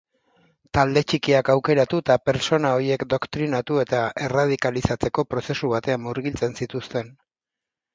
Talde txikiak aukeratu eta pertsona horiek doktrinatu eta erradikalizatzeko prozesu batean murgiltzen zituzten.